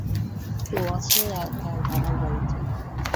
ও আছে তার মামার বাড়িতে।